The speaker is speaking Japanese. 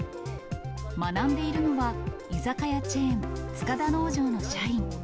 学んでいるのは居酒屋チェーン、塚田農場の社員。